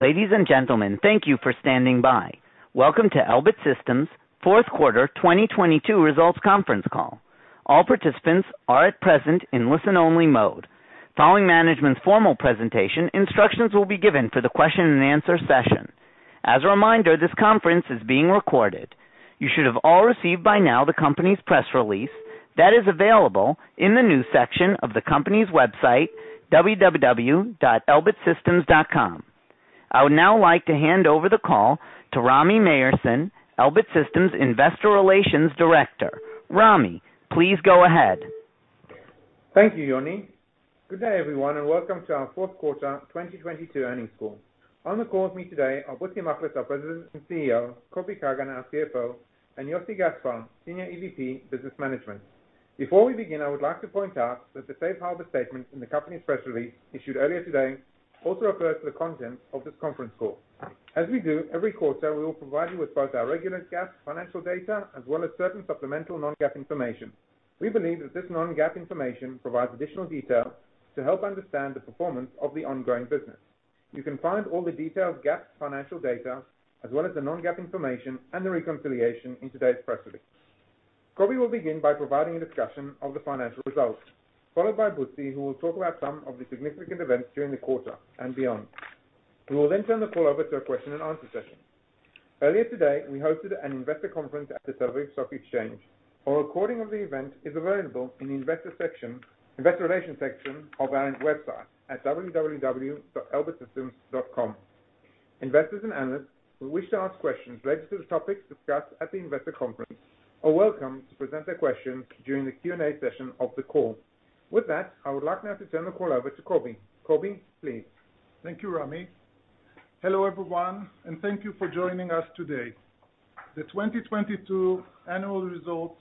Ladies and gentlemen, thank you for standing by. Welcome to Elbit Systems' Fourth Quarter 2022 Results Conference Call. All participants are at present in listen only mode. Following management's formal presentation, instructions will be given for the question and answer session. As a reminder, this conference is being recorded. You should have all received by now the company's press release that is available in the news section of the company's website, www.elbitsystems.com. I would now like to hand over the call to Rami Myerson, Elbit Systems Investor Relations Director. Rami, please go ahead. Thank you, Yoni. Good day, everyone, and welcome to our 4th quarter 2022 earnings call. On the call with me today are Butzi Machlis, our President and CEO, Kobi Kagan, our CFO, and Yossi Gaspar, Senior EVP, Business Management. Before we begin, I would like to point out that the safe harbor statement in the company's press release issued earlier today also applies to the content of this conference call. As we do every quarter, we will provide you with both our regular GAAP financial data as well as certain supplemental non-GAAP information. We believe that this non-GAAP information provides additional details to help understand the performance of the ongoing business. You can find all the detailed GAAP financial data as well as the non-GAAP information and the reconciliation in today's press release. Kobi will begin by providing a discussion of the financial results, followed by Butzi who will talk about some of the significant events during the quarter and beyond. We will turn the call over to a question and answer session. Earlier today, we hosted an investor conference at the Tel Aviv Stock Exchange. Our recording of the event is available in the investor relations section of our website at www.elbitsystems.com. Investors and analysts who wish to ask questions related to the topics discussed at the investor conference are welcome to present their questions during the Q&A session of the call. With that, I would like now to turn the call over to Kobi. Kobi, please. Thank you, Rami. Hello, everyone, and thank you for joining us today. The 2022 annual results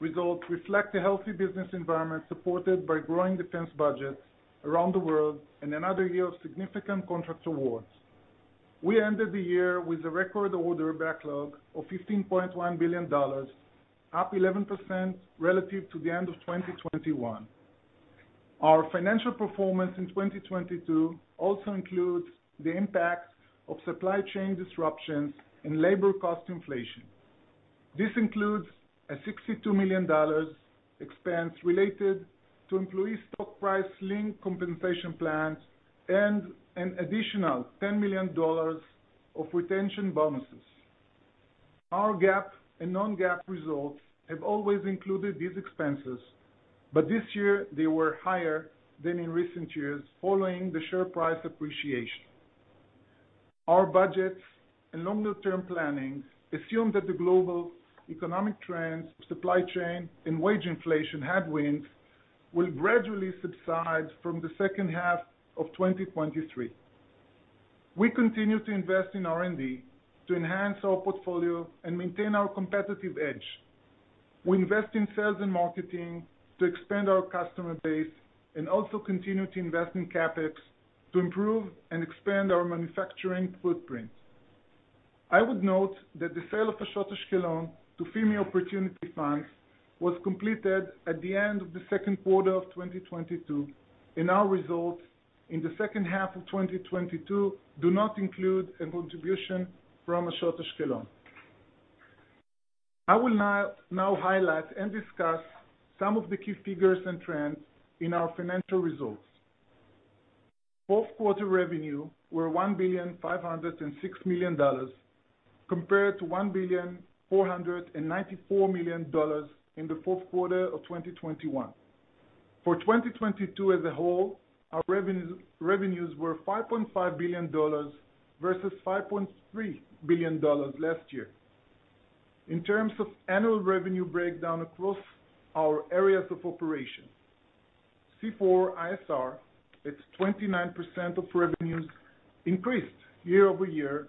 reflect a healthy business environment supported by growing defense budgets around the world and another year of significant contract awards. We ended the year with a record order backlog of $15.1 billion, up 11% relative to the end of 2021. Our financial performance in 2022 also includes the impact of supply chain disruptions and labor cost inflation. This includes a $62 million expense related to employee stock price linked compensation plans and an additional $10 million of retention bonuses. Our GAAP and non-GAAP results have always included these expenses, but this year they were higher than in recent years following the share price appreciation. Our budgets and longer-term planning assume that the global economic trends, supply chain and wage inflation headwinds will gradually subside from the second half of 2023. We continue to invest in R&D to enhance our portfolio and maintain our competitive edge. We invest in sales and marketing to expand our customer base and also continue to invest in CapEx to improve and expand our manufacturing footprint. I would note that the sale of Ashot Ashkelon to FIMI Opportunity Funds was completed at the end of the second quarter of 2022. Our results in the second half of 2022 do not include a contribution from Ashot Ashkelon. I will now highlight and discuss some of the key figures and trends in our financial results. Fourth quarter revenue were $1,506 million compared to $1,494 million in the fourth quarter of 2021. For 2022 as a whole, our revenues were $5.5 billion versus $5.3 billion last year. In terms of annual revenue breakdown across our areas of operation. C4ISR, it's 29% of revenues increased year-over-year,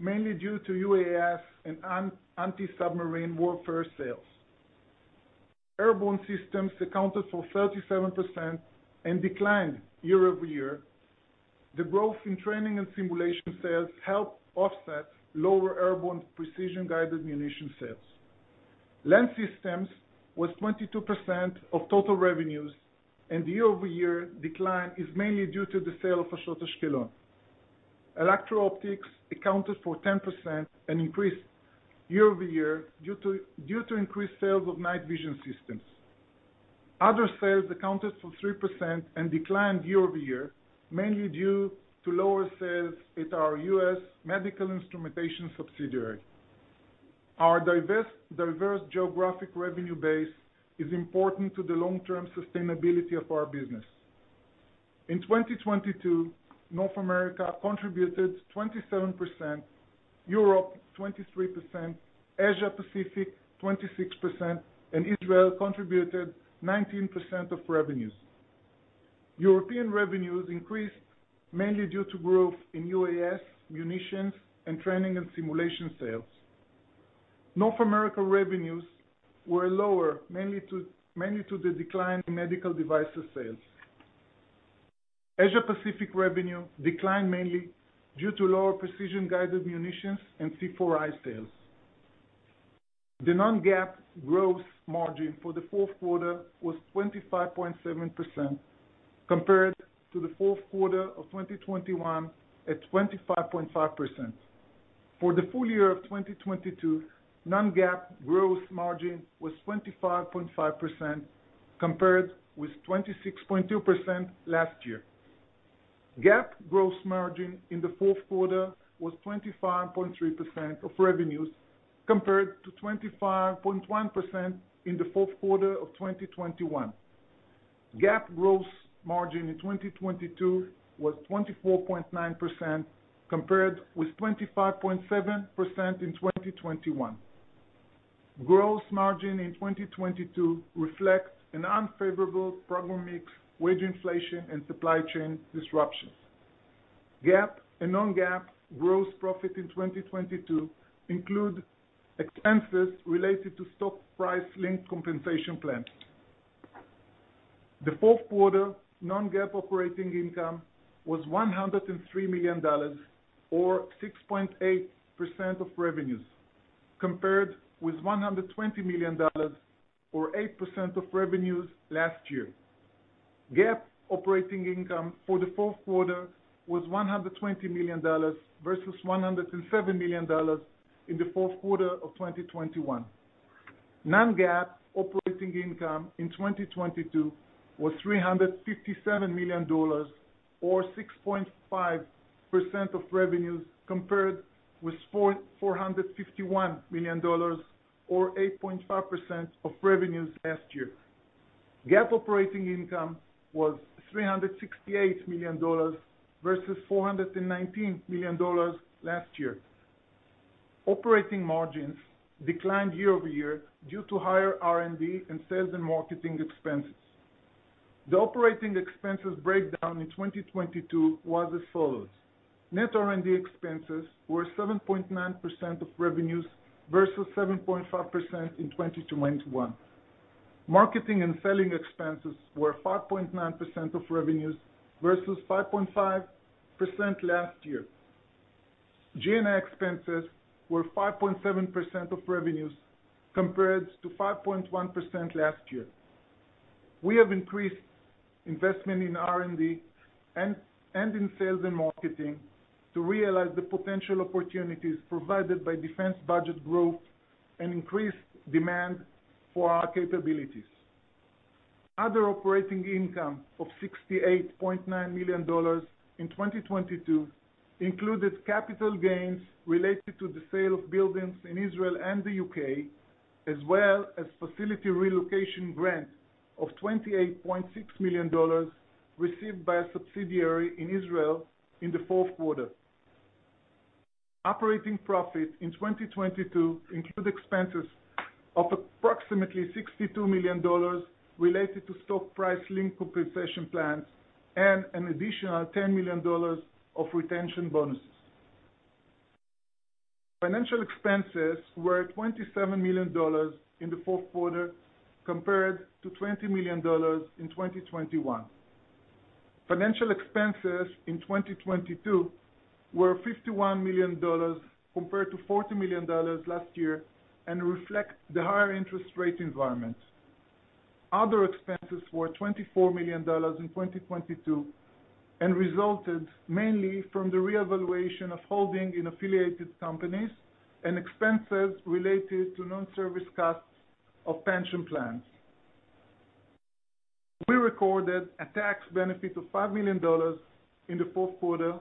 mainly due to UAS and anti-submarine warfare sales. Airborne Systems accounted for 37% and declined year-over-year. The growth in training and simulation sales helped offset lower airborne precision-guided munition sales. Land Systems was 22% of total revenues, and the year-over-year decline is mainly due to the sale of Ashot Ashkelon. Electro-optics accounted for 10% and increased year-over-year due to increased sales of night vision systems. Other sales accounted for 3% and declined year-over-year, mainly due to lower sales at our U.S. medical instrumentation subsidiary. Our diverse geographic revenue base is important to the long-term sustainability of our business. In 2022, North America contributed 27%, Europe 23%, Asia Pacific 26%, and Israel contributed 19% of revenues. European revenues increased mainly due to growth in UAS, munitions, and training and simulation sales. North America revenues were lower, mainly to the decline in medical devices sales. Asia Pacific revenue declined mainly due to lower precision-guided munitions and C4I sales. The non-GAAP gross margin for the fourth quarter was 25.7% compared to the fourth quarter of 2021 at 25.5%. For the full year of 2022, non-GAAP growth margin was 25.5% compared with 26.2% last year. GAAP gross margin in the fourth quarter was 25.3% of revenues compared to 25.1% in the fourth quarter of 2021. GAAP gross margin in 2022 was 24.9% compared with 25.7% in 2021. Gross margin in 2022 reflects an unfavorable program mix, wage inflation, and supply chain disruptions. GAAP and non-GAAP gross profit in 2022 include expenses related to stock price linked compensation plan. The fourth quarter non-GAAP operating income was $103 million or 6.8% of revenues, compared with $120 million or 8% of revenues last year. GAAP operating income for the fourth quarter was $120 million versus $107 million in the fourth quarter of 2021. Non-GAAP operating income in 2022 was $357 million or 6.5% of revenues, compared with $451 million or 8.5% of revenues last year. GAAP operating income was $368 million versus $419 million last year. Operating margins declined year-over-year due to higher R&D and sales and marketing expenses. The operating expenses breakdown in 2022 was as follows: Net R&D expenses were 7.9% of revenues versus 7.5% in 2021. Marketing and selling expenses were 5.9% of revenues versus 5.5% last year. G&A expenses were 5.7% of revenues compared to 5.1% last year. We have increased investment in R&D and in sales and marketing to realize the potential opportunities provided by defense budget growth and increased demand for our capabilities. Other operating income of $68.9 million in 2022 included capital gains related to the sale of buildings in Israel and the UK, as well as facility relocation grant of $28.6 million received by a subsidiary in Israel in the fourth quarter. Operating profit in 2022 include expenses of approximately $62 million related to stock price linked compensation plans and an additional $10 million of retention bonuses. Financial expenses were $27 million in the fourth quarter compared to $20 million in 2021. Financial expenses in 2022 were $51 million compared to $40 million last year and reflect the higher interest rate environment. Other expenses were $24 million in 2022, and resulted mainly from the reevaluation of holding in affiliated companies and expenses related to non-service costs of pension plans. We recorded a tax benefit of $5 million in the fourth quarter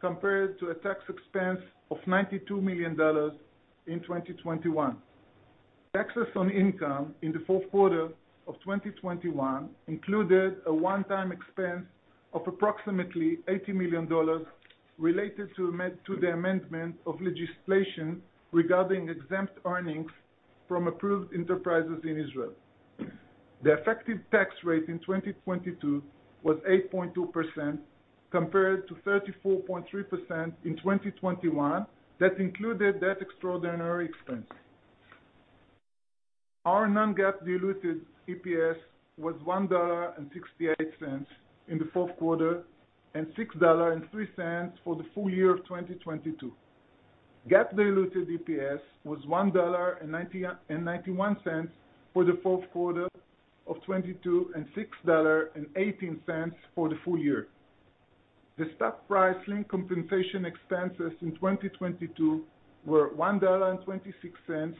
compared to a tax expense of $92 million in 2021. Taxes on income in the fourth quarter of 2021 included a one-time expense of approximately $80 million related to the amendment of legislation regarding exempt earnings from Approved Enterprises in Israel. The effective tax rate in 2022 was 8.2% compared to 34.3% in 2021. Included that extraordinary expense. Our non-GAAP diluted EPS was $1.68 in the fourth quarter, and $6.03 for the full year of 2022. GAAP diluted EPS was $1.91 for the fourth quarter of 2022, and $6.18 for the full year. The stock price-linked compensation expenses in 2022 were $1.26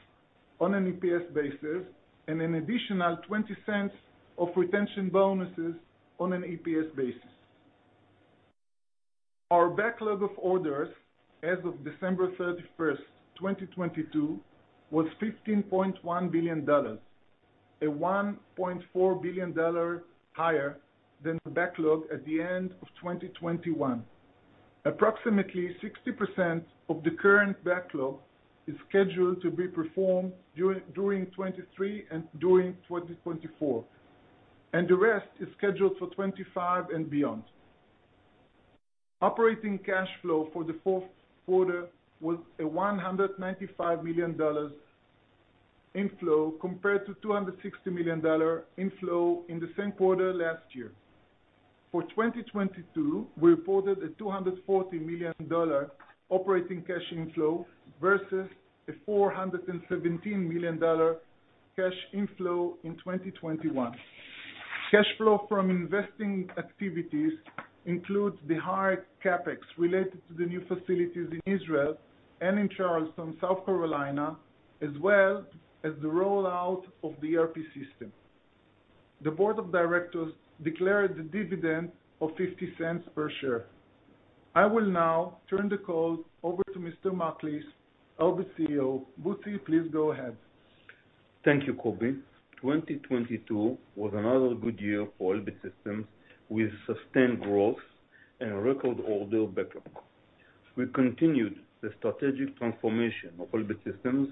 on an EPS basis, and an additional $0.20 of retention bonuses on an EPS basis. Our backlog of orders as of December 31st, 2022, was $15.1 billion, a $1.4 billion higher than the backlog at the end of 2021. Approximately 60% of the current backlog is scheduled to be performed during 2023 and during 2024, and the rest is scheduled for 2025 and beyond. Operating cash flow for the fourth quarter was a $195 million inflow compared to $260 million dollar inflow in the same quarter last year. For 2022, we reported a $240 million dollar operating cash inflow versus a $417 million dollar cash inflow in 2021. Cash flow from investing activities includes the high CapEx related to the new facilities in Israel and in Charleston, South Carolina, as well as the rollout of the ERP system. The board of directors declared the dividend of $0.50 per share. I will now turn the call over to Mr. Machlis, Elbit CEO. Butzi, please go ahead. Thank you, Kobi. 2022 was another good year for Elbit Systems, with sustained growth and a record order backlog. We continued the strategic transformation of Elbit Systems,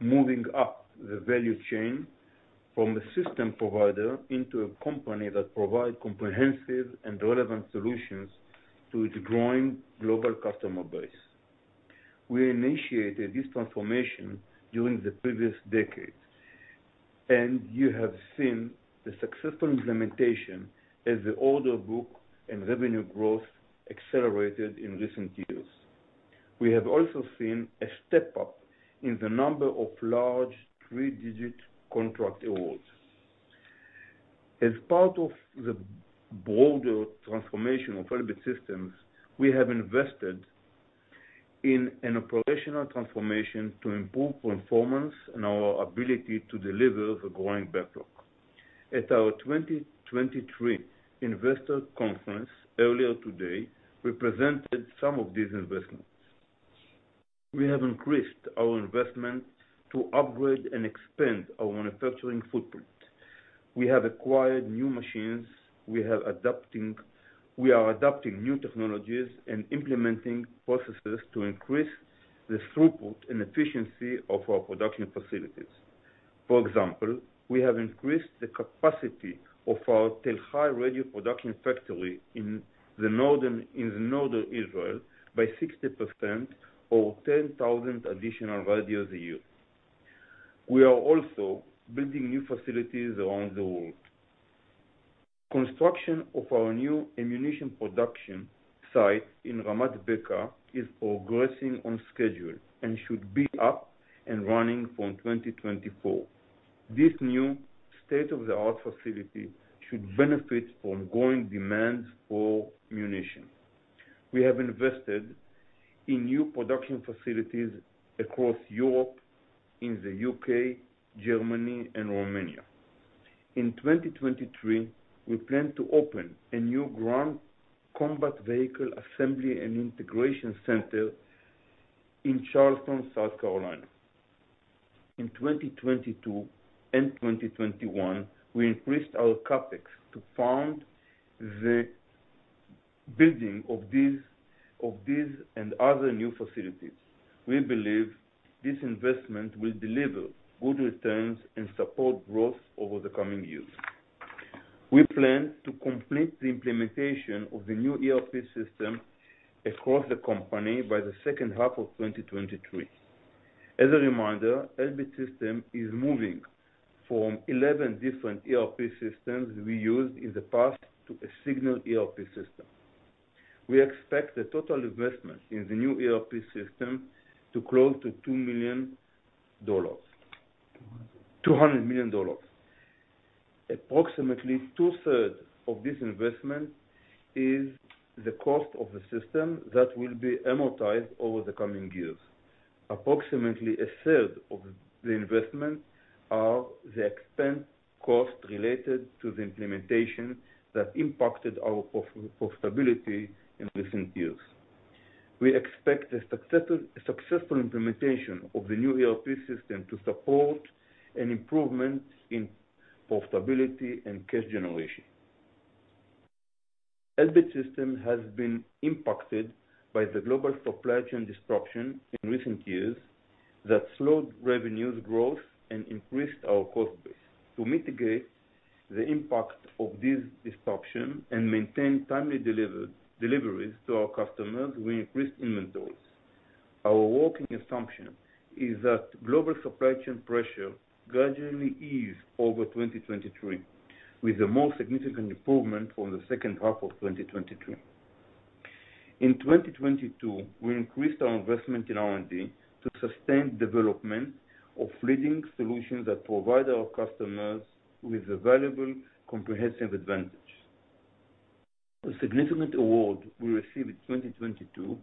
moving up the value chain from a system provider into a company that provide comprehensive and relevant solutions to its growing global customer base. We initiated this transformation during the previous decade, and you have seen the successful implementation as the order book and revenue growth accelerated in recent years. We have also seen a step up in the number of large 3-digit contract awards. As part of the broader transformation of Elbit Systems, we have invested in an operational transformation to improve performance and our ability to deliver the growing backlog. At our 2023 investor conference earlier today, we presented some of these investments. We have increased our investment to upgrade and expand our manufacturing footprint. We have acquired new machines. We are adopting new technologies and implementing processes to increase the throughput and efficiency of our production facilities. For example, we have increased the capacity of our Tel Hai radio production factory in northern Israel by 60% or 10,000 additional radios a year. We are also building new facilities around the world. Construction of our new ammunition production site in Ramat Beka is progressing on schedule and should be up and running from 2024. This new state-of-the-art facility should benefit from growing demand for munition. We have invested in new production facilities across Europe in the UK, Germany and Romania. In 2023, we plan to open a new ground combat vehicle assembly and integration center in Charleston, South Carolina. In 2022 and 2021, we increased our CapEx to fund the building of these and other new facilities. We believe this investment will deliver good returns and support growth over the coming years. We plan to complete the implementation of the new ERP system across the company by the second half of 2023. As a reminder, Elbit Systems is moving from 11 different ERP systems we used in the past to a single ERP system. We expect the total investment in the new ERP system to close to $2 million. $200. $200 million. Approximately two-thirds of this investment is the cost of the system that will be amortized over the coming years. Approximately a third of the investment are the expense cost related to the implementation that impacted our profitability in recent years. We expect a successful implementation of the new ERP system to support an improvement in profitability and cash generation. Elbit Systems has been impacted by the global supply chain disruption in recent years that slowed revenues growth and increased our cost base. To mitigate the impact of this disruption and maintain timely deliveries to our customers, we increased inventories. Our working assumption is that global supply chain pressure gradually ease over 2023, with a more significant improvement from the second half of 2023. In 2022, we increased our investment in R&D to sustain development of leading solutions that provide our customers with a valuable comprehensive advantage. A significant award we received in 2022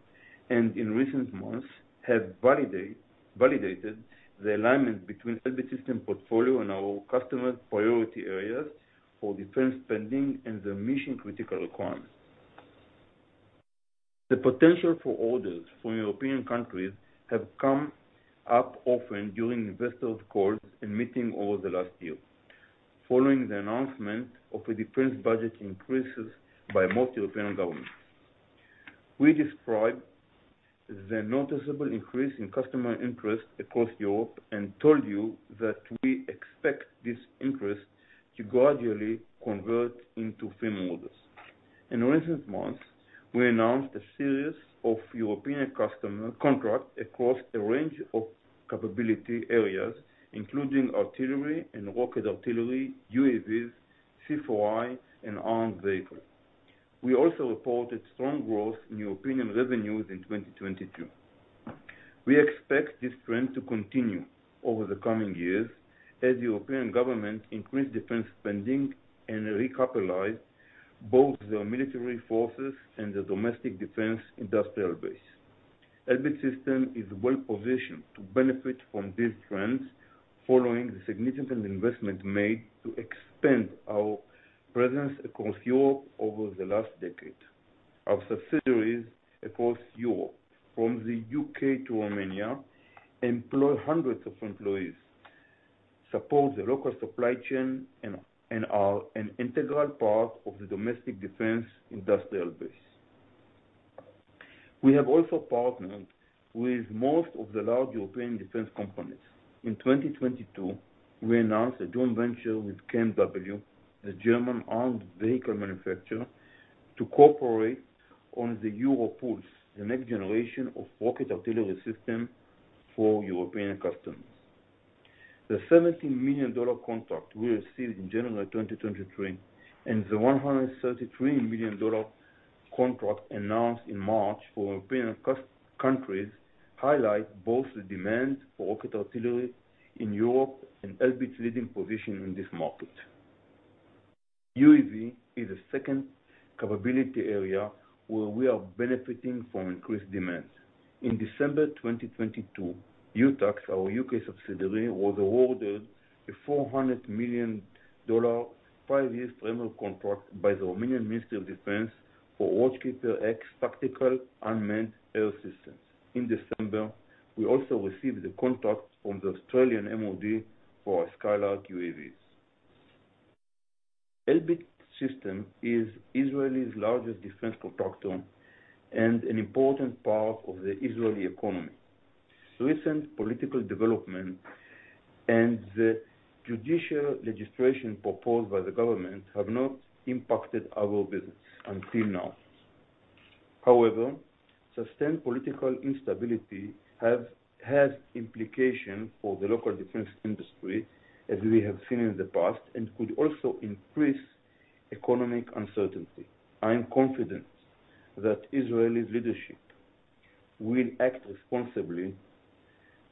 and in recent months have validated the alignment between Elbit Systems portfolio and our customers' priority areas for defense spending and the mission-critical requirements. The potential for orders from European countries have come up often during investor calls and meeting over the last year following the announcement of a defense budget increases by most European governments. We described the noticeable increase in customer interest across Europe and told you that we expect this interest to gradually convert into firm orders. In recent months. We announced a series of European customer contract across a range of capability areas, including artillery and rocket artillery, UAVs, C4I, and armed vehicles. We also reported strong growth in European revenues in 2022. We expect this trend to continue over the coming years as European governments increase defense spending and recapitalize both their military forces and the domestic defense industrial base. Elbit Systems is well positioned to benefit from these trends following the significant investment made to expand our presence across Europe over the last decade. Our subsidiaries across Europe, from the UK to Romania, employ hundreds of employees, support the local supply chain, and are an integral part of the domestic defense industrial base. We have also partnered with most of the large European defense companies. In 2022, we announced a joint venture with KMW, the German armed vehicle manufacturer, to cooperate on the EuroPULS, the next generation of rocket artillery system for European customers. The $17 million contract we received in January 2023, and the $133 million contract announced in March for European countries highlight both the demand for rocket artillery in Europe and Elbit's leading position in this market. UAV is a second capability area where we are benefiting from increased demand. In December 2022, UTAC, our U.K. subsidiary, was awarded a $400 million 5-year framework contract by the Romanian Ministry of National Defence for Watchkeeper X tactical unmanned air systems. In December, we also received a contract from the Australian MOD for Skylark UAVs. Elbit Systems is Israel's largest defense contractor and an important part of the Israeli economy. Recent political development and the judicial legislation proposed by the government have not impacted our business until now. Sustained political instability has implications for the local defense industry, as we have seen in the past, and could also increase economic uncertainty. I am confident that Israel's leadership will act responsibly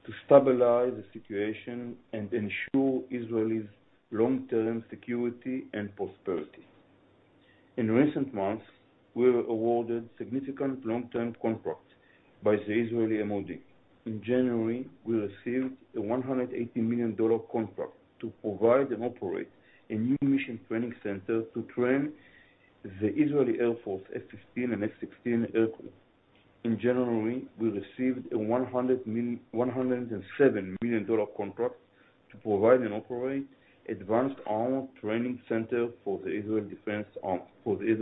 to stabilize the situation and ensure Israel's long-term security and prosperity. In recent months, we were awarded significant long-term contracts by the Israeli MOD. In January, we received a $180 million contract to provide and operate a new mission training center to train the Israeli Air Force F-16 aircrew. In January, we received a $107 million contract to provide and operate advanced armor training center for the Israeli Ground Forces.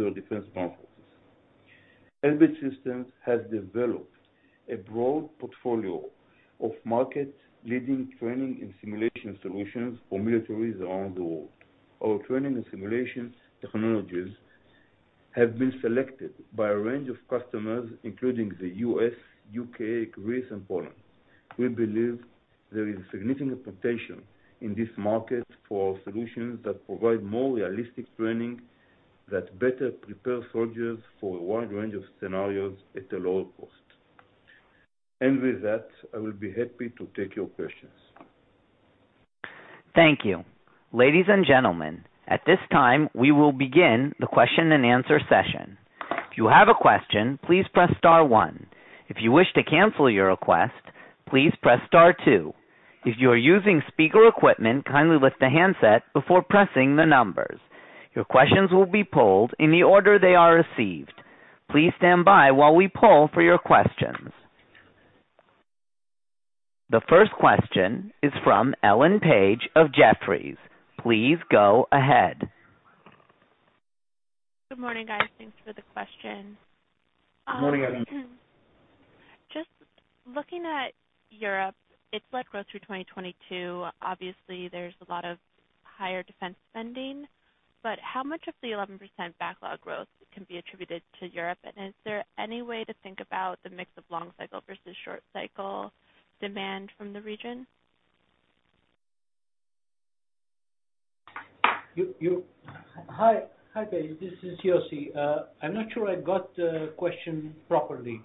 Elbit Systems has developed a broad portfolio of market-leading training and simulation solutions for militaries around the world. Our training and simulations technologies have been selected by a range of customers, including the U.S., U.K., Greece, and Poland. We believe there is significant potential in this market for solutions that provide more realistic training that better prepare soldiers for a wide range of scenarios at a lower cost. With that, I will be happy to take your questions. Thank you. Ladies and gentlemen, at this time, we will begin the question-and-answer session. If you have a question, please press star one. If you wish to cancel your request, please press star two. If you are using speaker equipment, kindly lift the handset before pressing the numbers. Your questions will be polled in the order they are received. Please stand by while we poll for your questions. The first question is from Ellen Page of Jefferies. Please go ahead. Good morning, guys. Thanks for the question. Good morning, Ellen. Just looking at Europe, it's led growth through 2022. Obviously, there's a lot of higher defense spending, but how much of the 11% backlog growth can be attributed to Europe? Is there any way to think about the mix of long cycle versus short cycle demand from the region? Hi, Page, this is Yossi. I'm not sure I got the question properly.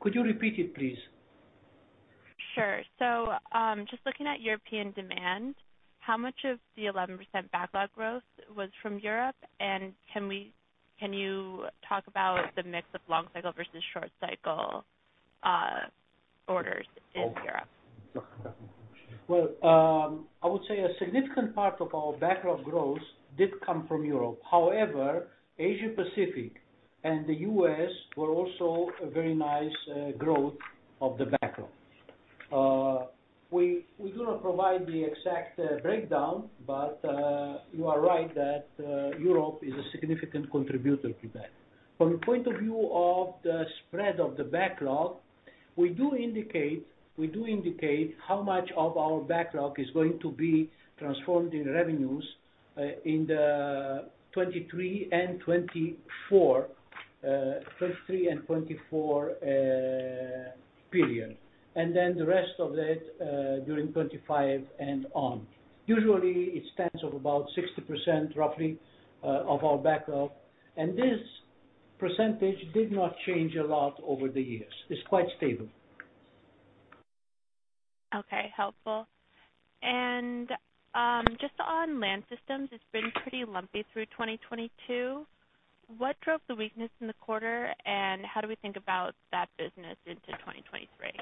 Could you repeat it, please? Sure. Just looking at European demand, how much of the 11% backlog growth was from Europe, and can you talk about the mix of long cycle versus short cycle orders in Europe? I would say a significant part of our backlog growth did come from Europe. Asia-Pacific and the U.S. were also a very nice growth of the backlog. We do not provide the exact breakdown, you are right that Europe is a significant contributor to that. From the point of view of the spread of the backlog. We do indicate how much of our backlog is going to be transformed in revenues in the 2023 and 2024 period, and then the rest of it during 2025 and on. Usually it stands up about 60% roughly of our backup. This percentage did not change a lot over the years. It's quite stable. Okay, helpful. Just on Land Systems, it's been pretty lumpy through 2022. What drove the weakness in the quarter, and how do we think about that business into 2023?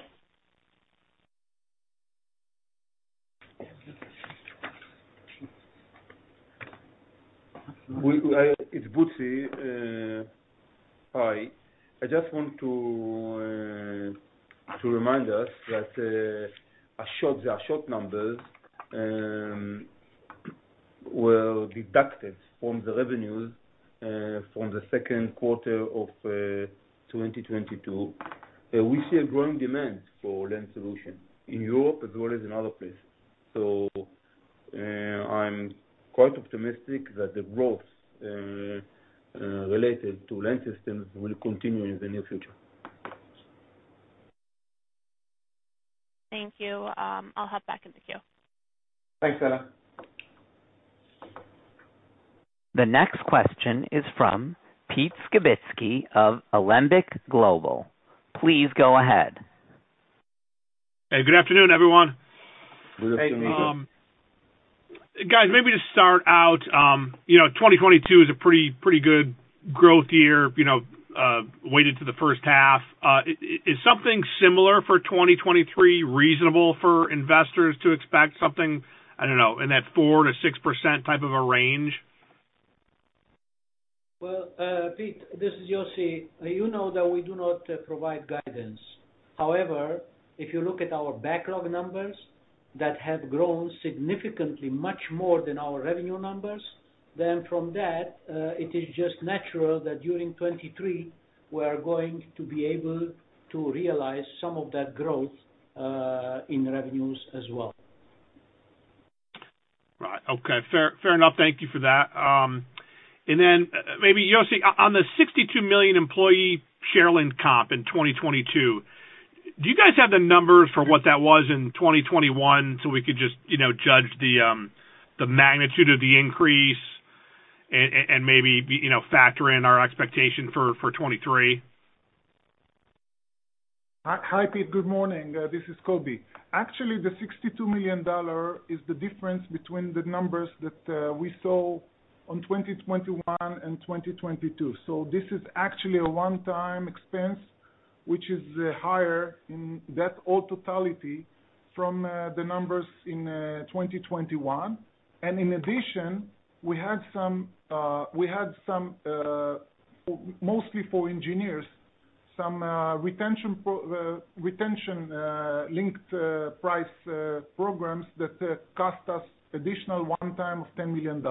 It's Butzi, hi. I just want to remind us that our short numbers were deducted from the revenues from the second quarter of 2022. We see a growing demand for land solution in Europe as well as in other places. I'm quite optimistic that the growth related to Land systems will continue in the near future. Thank you. I'll hop back in the queue. Thanks, Ellen. The next question is from Pete Skibitzky of Alembic Global. Please go ahead. Hey, good afternoon, everyone. Good afternoon. Guys, maybe just start out. You know, 2022 is a pretty good growth year, you know, weighted to the first half. Is something similar for 2023 reasonable for investors to expect something, I don't know, in that 4%-6% type of a range? Well, Pete, this is Yossi. You know that we do not provide guidance. If you look at our backlog numbers that have grown significantly much more than our revenue numbers, from that, it is just natural that during 2023 we are going to be able to realize some of that growth in revenues as well. Right. Okay. Fair, fair enough. Thank you for that. Maybe, Yossi, on the $62 million employee share link comp in 2022, do you guys have the numbers for what that was in 2021 so we could just, you know, judge the magnitude of the increase and maybe, you know, factor in our expectation for 2023? Hi, Pete. Good morning. This is Kobi. Actually, the $62 million is the difference between the numbers that we saw on 2021 and 2022. This is actually a one-time expense, which is higher in that all totality from the numbers in 2021. In addition, we had some, mostly for engineers, some retention linked price programs that cost us additional one time of $10 million.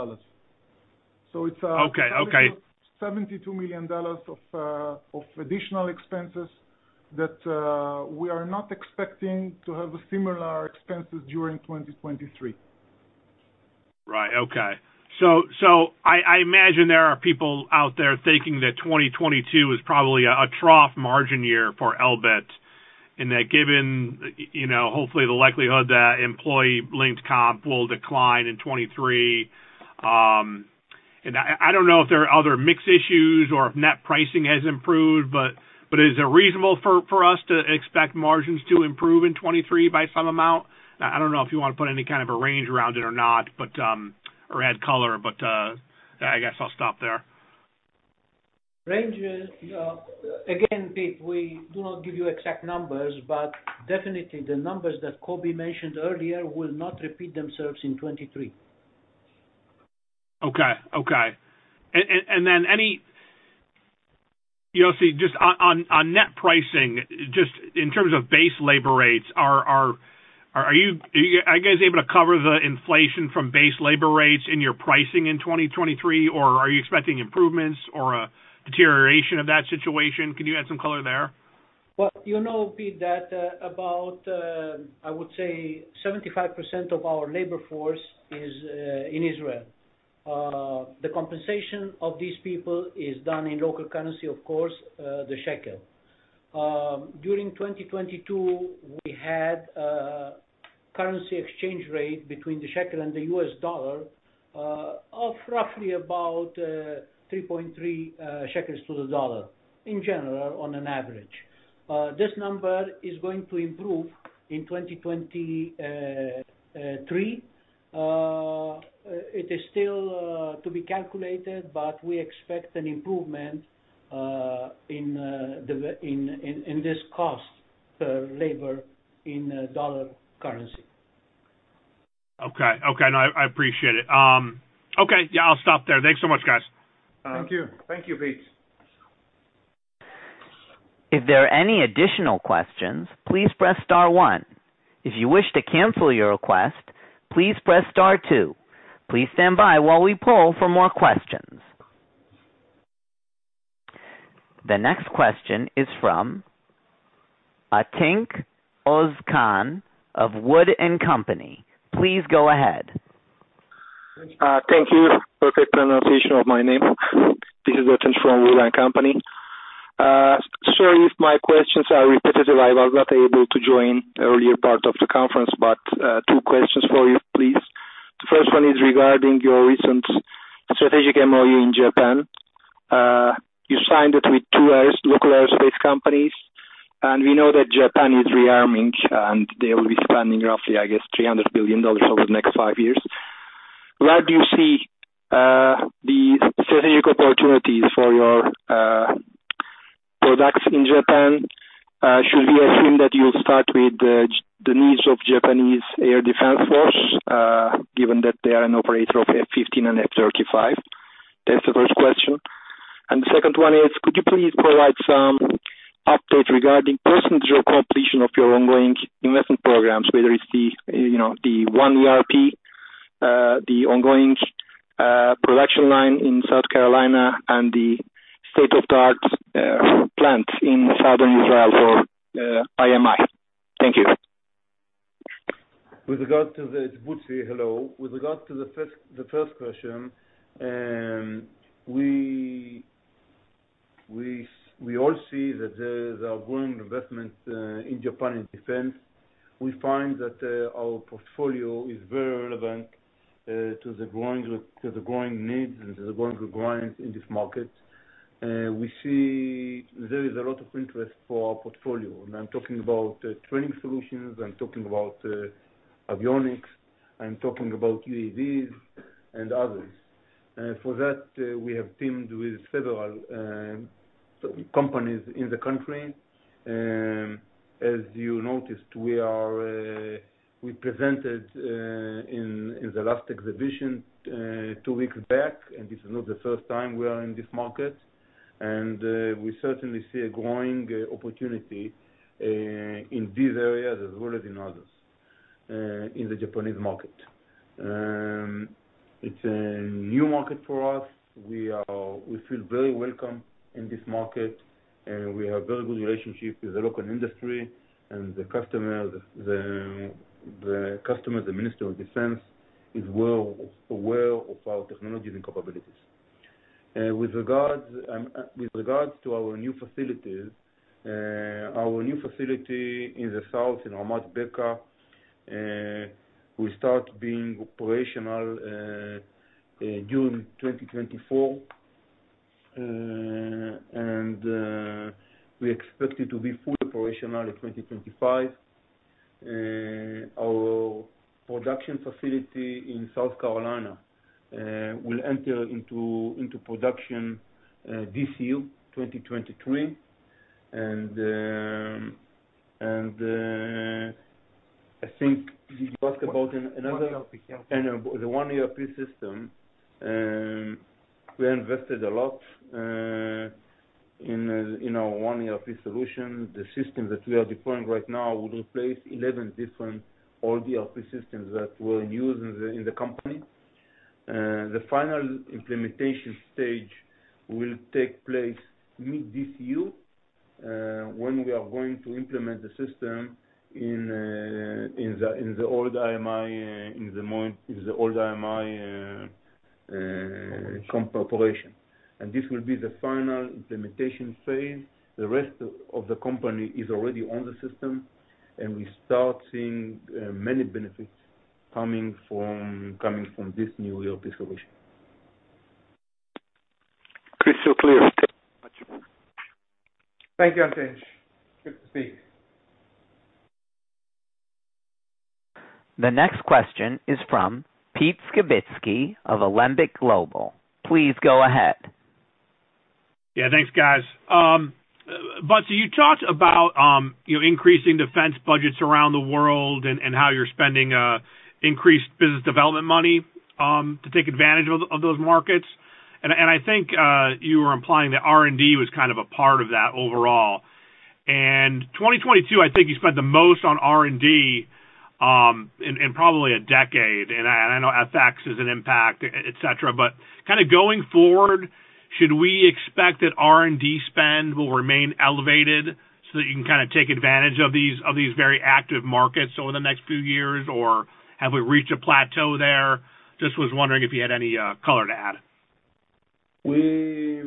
It's. Okay. Okay. $72 million of additional expenses that we are not expecting to have similar expenses during 2023. Right. Okay. I imagine there are people out there thinking that 2022 is probably a trough margin year for Elbit. Given, you know, hopefully the likelihood that employee linked comp will decline in 2023. I don't know if there are other mix issues or if net pricing has improved, is it reasonable for us to expect margins to improve in 2023 by some amount? I don't know if you wanna put any kind of a range around it or not, or add color, I guess I'll stop there. Range is, again, Pete, we do not give you exact numbers, but definitely the numbers that Kobi mentioned earlier will not repeat themselves in 2023. Okay. Okay. Yossi, just on net pricing, just in terms of base labor rates, are you guys able to cover the inflation from base labor rates in your pricing in 2023 or are you expecting improvements or a deterioration of that situation? Can you add some color there? Well, you know, Pete, that about I would say 75% of our labor force is in Israel. The compensation of these people is done in local currency, of course, the shekel. During 2022, we had currency exchange rate between the shekel and the US dollar of roughly about 3.3 shekels to the dollar in general on an average. This number is going to improve in 2023. It is still to be calculated, but we expect an improvement in this cost for labor in dollar currency. Okay. Okay. No, I appreciate it. Okay. Yeah, I'll stop there. Thanks so much, guys. Thank you. Thank you, Pete. If there are any additional questions, please press star one. If you wish to cancel your request, please press star two. Please stand by while we poll for more questions. The next question is from Atinç Özkan of WOOD & Company. Please go ahead. Thank you. Perfect pronunciation of my name. This is Atinç from Wood & Company. Sorry if my questions are repetitive. I was not able to join the earlier part of the conference, two questions for you, please. The first one is regarding your recent strategic MOU in Japan. You signed it with two air-local aerospace companies, and we know that Japan is rearming and they will be spending roughly, I guess, $300 billion over the next five years. Where do you see the strategic opportunities for your products in Japan? Should we assume that you'll start with the needs of Japan Air Self-Defense Force, given that they are an operator of F-15 and F-35? That's the first question. The second one is, could you please provide some updates regarding percentage or completion of your ongoing investment programs, whether it's the, you know, the OneERP, the ongoing production line in South Carolina and the state-of-the-art plant in Southern Israel for IMI. Thank you. It's Butzi. Hello. With regard to the first question, we all see that there is a growing investment in Japan in defense. We find that our portfolio is very relevant to the growing needs and to the growing requirements in this market. We see there is a lot of interest for our portfolio, and I'm talking about training solutions, I'm talking about avionics, I'm talking about UAS and others. For that, we have teamed with several companies in the country. As you noticed, we presented in the last exhibition two weeks back. This is not the first time we are in this market. We certainly see a growing opportunity in these areas as well as in others in the Japanese market. It's a new market for us. We feel very welcome in this market, and we have very good relationship with the local industry and the customer. The customer, the minister of defense is well aware of our technologies and capabilities. With regards to our new facilities, our new facility in the south, in Ramat Beka, will start being operational June 2024. We expect it to be fully operational in 2025. Our production facility in South Carolina will enter into production this year, 2023. I think you talked about another- OneERP system. The OneERP system, we invested a lot in our one ERP solution. The system that we are deploying right now will replace 11 different old ERP systems that were used in the company. The final implementation stage will take place mid this year, when we are going to implement the system in the old IMI, in the more, in the old IMI operation. This will be the final implementation phase. The rest of the company is already on the system, and we start seeing many benefits coming from this new ERP solution. Crystal clear. Thank you very much. Thank you, Atinç. Good to see you. The next question is from Pete Skibitzky of Alembic Global. Please go ahead. Yeah, thanks, guys. Butzi, you talked about you increasing defense budgets around the world and how you're spending increased business development money to take advantage of those markets. I think you were implying that R&D was kind of a part of that overall. 2022, I think you spent the most on R&D in probably a decade. I know FX is an impact, et cetera. kinda going forward, should we expect that R&D spend will remain elevated so that you can kinda take advantage of these very active markets over the next few years? Have we reached a plateau there? Just was wondering if you had any color to add. We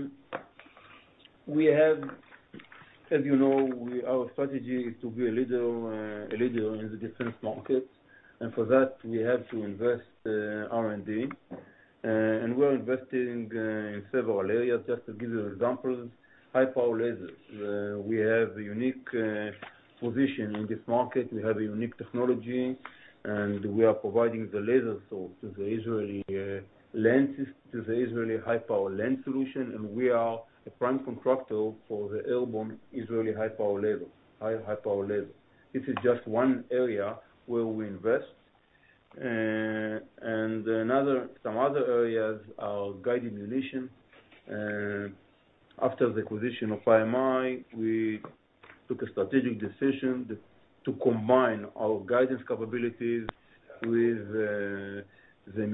have. As you know, our strategy is to be a leader, a leader in the defense markets. For that, we have to invest R&D. We're investing in several areas. Just to give you examples, high power lasers. We have a unique position in this market. We have a unique technology, and we are providing the laser source to the Israeli high-power laser solution, and we are a prime contractor for the airborne Israeli High-Power Laser. This is just one area where we invest. Another, some other areas are guided munition. After the acquisition of IMI, we took a strategic decision to combine our guidance capabilities with the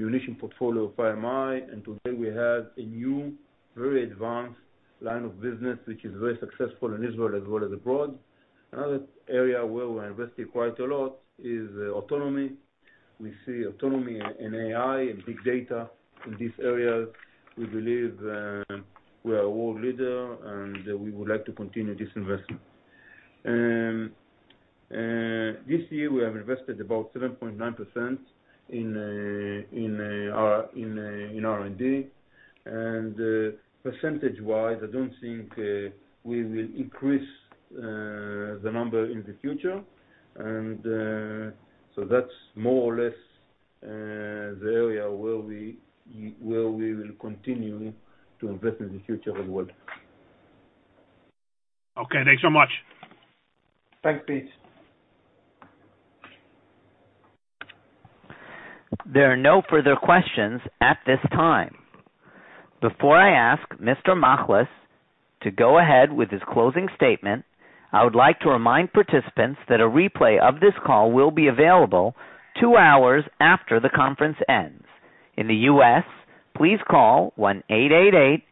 munition portfolio of IMI, and today we have a new very advanced line of business which is very successful in Israel as well as abroad. Another area where we're investing quite a lot is autonomy. We see autonomy in AI and big data. In these areas, we believe, we are a world leader, and we would like to continue this investment. This year we have invested about 7.9% in R&D. Percentage-wise, I don't think we will increase the number in the future. That's more or less the area where we will continue to invest in the future as well. Okay, thanks so much. Thanks, Pete. There are no further questions at this time. Before I ask Mr. Machlis to go ahead with his closing statement, I would like to remind participants that a replay of this call will be available two hours after the conference ends. In the US, please call 1-888-782-4291.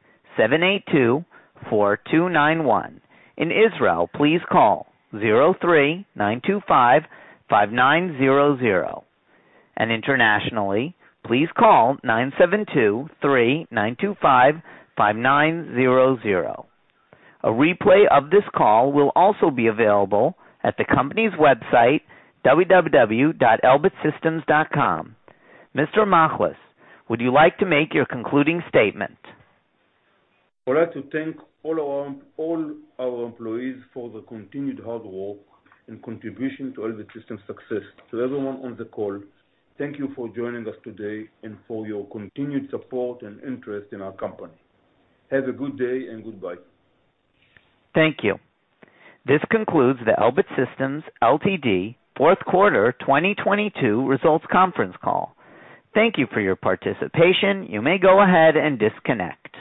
In Israel, please call 03-925-5900. Internationally, please call 972-3-925-5900. A replay of this call will also be available at the company's website, www.elbitsystems.com. Mr. Machlis, would you like to make your concluding statement? I'd like to thank all our employees for the continued hard work and contribution to Elbit Systems' success. To everyone on the call, thank you for joining us today and for your continued support and interest in our company. Have a good day and goodbye. Thank you. This concludes the Elbit Systems Ltd fourth quarter 2022 results conference call. Thank you for your participation. You may go ahead and disconnect.